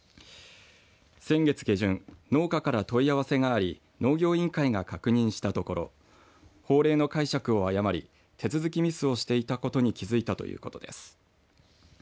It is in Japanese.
先月下旬農家から問い合わせがあり農業委員会が確認したところ法令の解釈を誤り手続きミスをしていたことに気づいたということです。